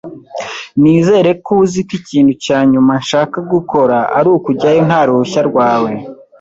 Nizere ko uzi ko ikintu cya nyuma nshaka gukora ari ukujyayo nta ruhushya rwawe.